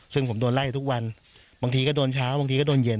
ซึ่งผมโดนไล่ทุกวันบางทีก็โดนเช้าบางทีก็โดนเย็น